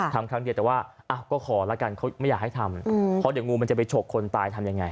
ครั้งเดียวแต่ว่าก็ขอแล้วกันเขาไม่อยากให้ทำเพราะเดี๋ยวงูมันจะไปฉกคนตายทำยังไง